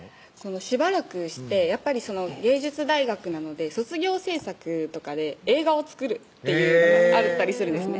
しばらくしてやっぱり芸術大学なので卒業制作とかで映画を作るっていうのがあったりするんですね